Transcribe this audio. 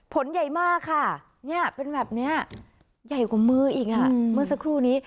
ผลใหญ่มากค่ะเนี่ยเป็นแบบนี้ใหญ่กว่ามืออีกเมื่อสักครู่นี้